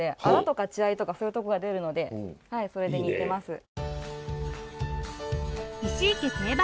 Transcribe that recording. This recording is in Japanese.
あらとか血合いとかそういうとこが出るのでそれで煮てます。